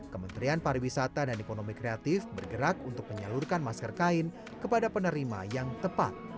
kementerian pariwisata dan ekonomi kreatif bergerak untuk menyalurkan masker kain kepada penerima yang tepat